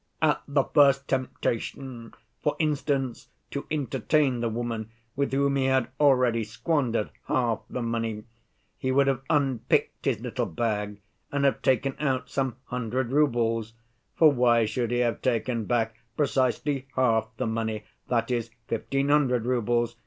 "At the first temptation—for instance, to entertain the woman with whom he had already squandered half the money—he would have unpicked his little bag and have taken out some hundred roubles, for why should he have taken back precisely half the money, that is, fifteen hundred roubles?